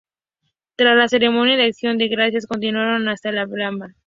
Tras la ceremonia de Acción de Gracias continuaron hasta la Alhambra.